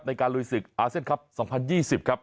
ลุยศึกอาเซียนครับ๒๐๒๐ครับ